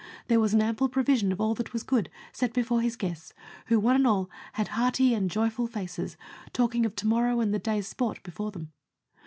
There was an ample provision of all that was good set before his guests, who, one and all, had hearty and joyful faces, talking of to morrow and the day's sport before them.